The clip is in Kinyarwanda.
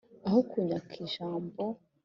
Aho kunyaka ijambo